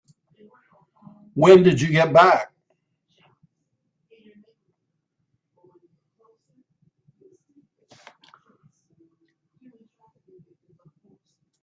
When did you get back?